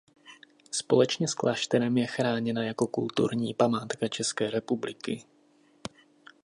Společně s klášterem je chráněna jako kulturní památka České republiky.